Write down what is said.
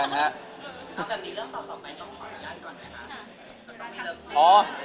เอาแบบนี้เริ่มต่อไปต้องคอยก่อนไหมคะ